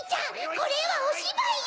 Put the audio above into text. これはおしばいよ！